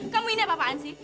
kamu ini apa apaan sih